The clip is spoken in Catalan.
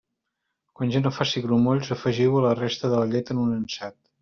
Quan ja no faci grumolls, afegiu-ho a la resta de la llet en un ansat.